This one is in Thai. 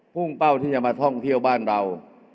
เป้าที่จะมาท่องเที่ยวบ้านเรา